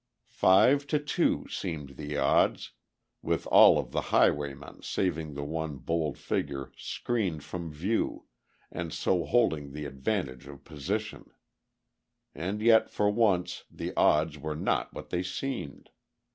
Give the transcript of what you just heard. Five to two, seemed the odds, with all of the highwaymen saving the one bold figure screened from view and so holding the advantage of position. And yet, for once, the odds were not what they seemed.